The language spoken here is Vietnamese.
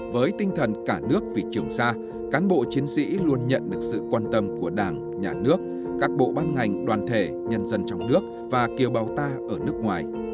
với tinh thần cả nước vì trường sa cán bộ chiến sĩ luôn nhận được sự quan tâm của đảng nhà nước các bộ ban ngành đoàn thể nhân dân trong nước và kiều bào ta ở nước ngoài